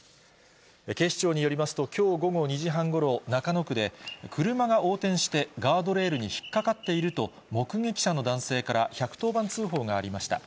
警視庁によりますと、きょう午後２時半ごろ、中野区で、車が横転してガードレールに引っ掛かっていると、目撃者の男性から１１０番通報がありました。